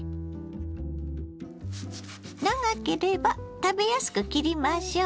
長ければ食べやすく切りましょう。